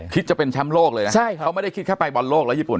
คิดจะเป็นแชมป์โลกเลยนะใช่ครับเขาไม่ได้คิดแค่ไปบอลโลกแล้วญี่ปุ่น